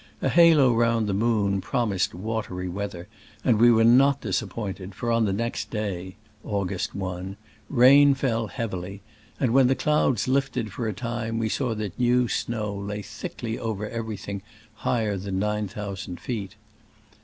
A halo round the moon promised watery weath er, and we were not disappointed, for on the next day (August i) rain fell heavily, and when the clouds lifted for a time we saw that new snow lay thick ly over everything higher than nine thousand feet.